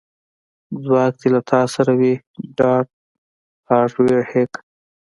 ځواک دې له تا سره وي ډارت هارډویر هیک